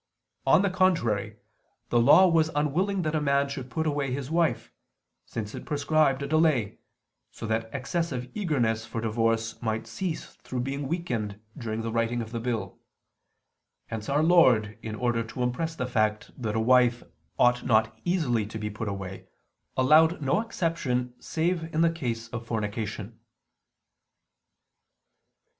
On the contrary, the Law was unwilling that a man should put away his wife, since it prescribed a delay, so that excessive eagerness for divorce might cease through being weakened during the writing of the bill. Hence Our Lord, in order to impress the fact that a wife ought not easily to be put away, allowed no exception save in the case of fornication."